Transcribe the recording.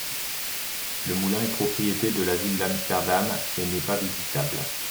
Le moulin est propriété de la ville d'Amsterdam et n'est pas visitable.